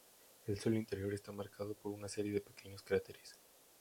El suelo interior está marcado por una serie de pequeños cráteres.